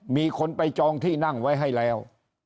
มีคนไปจองที่นั่งไว้ให้แล้ว